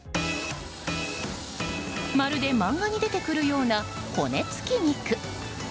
まるで漫画に出てくるような骨付き肉。